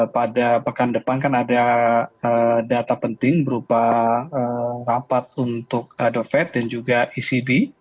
pada pekan depan kan ada data penting berupa rapat untuk dovet dan juga ecb